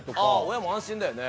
親も安心だよね